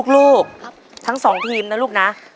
ลูกทั้งสองทีมนะลูกนะ